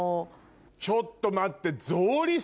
ちょっと待って。